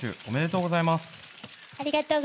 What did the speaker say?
ありがとうございます。